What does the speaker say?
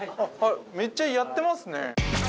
めっちゃやってますね。